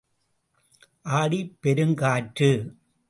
ஆடிப் பெருங் காற்று.